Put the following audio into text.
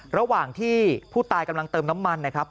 ระหว่างที่ผู้ตายกำลังเติมน้ำมันนะครับ